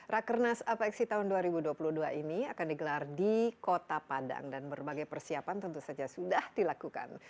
rakernas apexi tahun dua ribu dua puluh dua ini akan digelar di kota padang dan berbagai persiapan tentu saja sudah dilakukan